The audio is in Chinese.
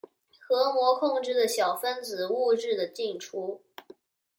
核膜控制小分子物质的进出。